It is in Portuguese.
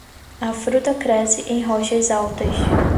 A fruta cresce em rochas altas.